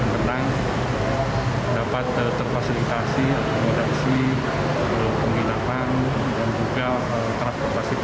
dapat terfasilitasi akomodasi penginapan dan juga transportasi perubahan sebuah perumahan ini